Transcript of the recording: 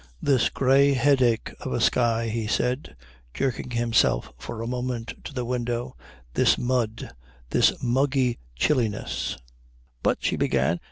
"This grey headache of a sky," he said, jerking himself for a moment to the window, "this mud, this muggy chilliness " "But " she began.